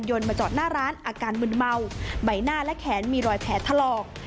มาจอดหน้าร้านอาการมึนเมาใบหน้าและแขนมีรอยแผลถลอก